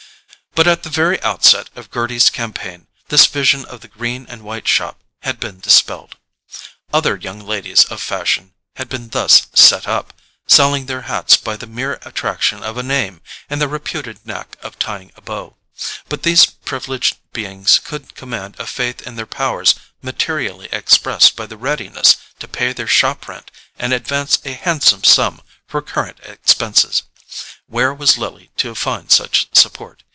But at the very outset of Gerty's campaign this vision of the green and white shop had been dispelled. Other young ladies of fashion had been thus "set up," selling their hats by the mere attraction of a name and the reputed knack of tying a bow; but these privileged beings could command a faith in their powers materially expressed by the readiness to pay their shop rent and advance a handsome sum for current expenses. Where was Lily to find such support?